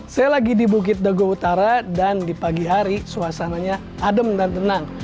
saya lagi di bukit dago utara dan di pagi hari suasananya adem dan tenang